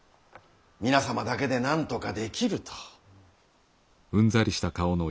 皆様だけでなんとかできると。